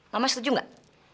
mama setuju gak